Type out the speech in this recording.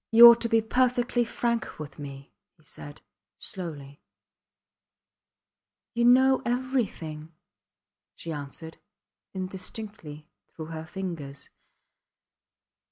You ought to be perfectly frank with me, he said, slowly. You know everything, she answered, indistinctly, through her fingers.